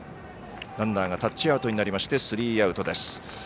ランナーがタッチアウトでスリーアウトです。